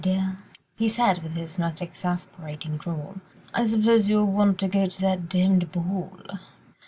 m'dear," he said, with his most exasperating drawl, "I suppose you will want to go to that demmed ball.